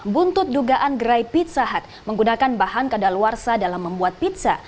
buntut dugaan gerai pizza hut menggunakan bahan kadaluarsa dalam membuat pizza